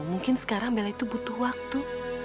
mungkin sekarang bella itu butuh waktu